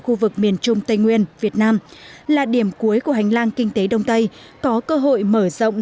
khu vực miền trung tây nguyên việt nam là điểm cuối của hành lang kinh tế đông tây có cơ hội mở rộng